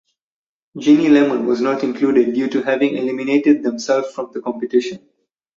Ginny Lemon was not included due to having eliminated themself from the competition.